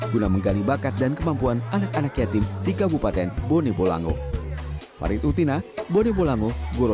guna menggali bakat dan kemampuan anak anak yatim di kabupaten bone bolango